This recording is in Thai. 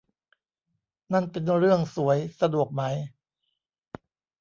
นั่นเป็นเรื่องสวย สะดวกไหม